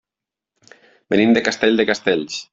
Venim de Castell de Castells.